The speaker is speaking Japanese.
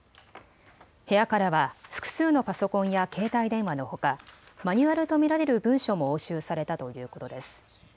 部屋からは複数のパソコンや携帯電話のほかマニュアルと見られる文書も押収されたということです。